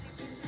dan juga eropa